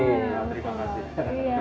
dan kita juga penasaran banget nih